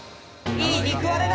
いい肉割れだ！